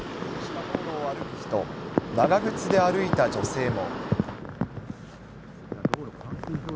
長靴で歩いた女性も。